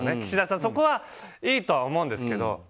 岸田さん、そこはいいと思うんですけど。